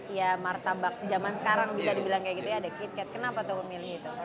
ya martabak zaman sekarang bisa dibilang kayak gitu ya ada kit kit kenapa tuh memilih itu